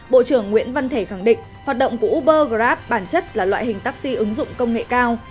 bộ trưởng nguyễn văn thể khẳng định hoạt động của uber grab bản chất là loại hình taxi ứng dụng công nghệ cao